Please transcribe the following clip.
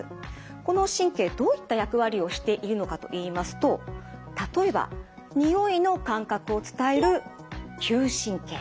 この神経どういった役割をしているのかといいますと例えばにおいの感覚を伝える「嗅神経」。